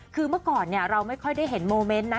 คือเมื่อก่อนเราไม่ค่อยได้เห็นโมเมนต์นะ